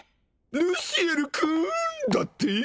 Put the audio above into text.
ルシエルくんだって？